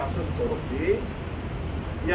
yang kita lihat masih berjalan prosesnya